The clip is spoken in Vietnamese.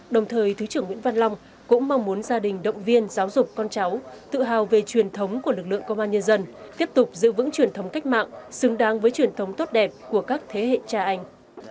đồng thời thứ trưởng nguyễn văn long cũng mong muốn gia đình động viên giáo dục con cháu tự hào về truyền thống của lực lượng công an nhân dân tiếp tục giữ vững truyền thống cách mạng xứng đáng với truyền thống tốt đẹp của các thế hệ cha anh